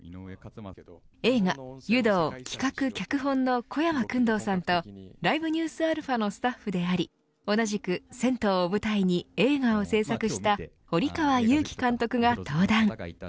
映画、湯道、企画脚本の小山薫堂さんとＬｉｖｅＮｅｗｓαのスタッフであり同じく銭湯を舞台に映画を作成した堀川湧気監督が登壇。